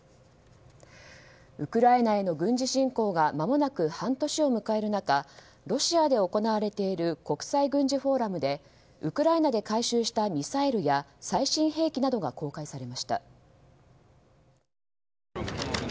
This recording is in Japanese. ウクライナへの軍事侵攻がまもなく半年を迎える中ロシアで行われている国際軍事フォーラムでウクライナで回収したミサイルや最新兵器などが公開されました。